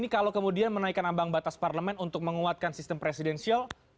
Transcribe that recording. kalau kemudian menaikkan ambang batas parlemen untuk menguatkan sistem presidensial